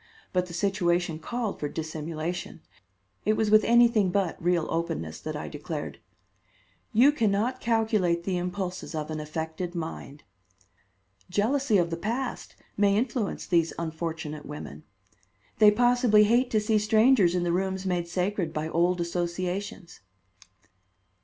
But the situation called for dissimulation. It was with anything but real openness that I declared: "You can not calculate the impulses of an affected mind. Jealousy of the past may influence these unfortunate women. They possibly hate to see strangers in the rooms made sacred by old associations."